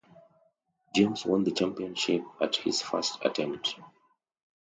James won the championship at his first attempt.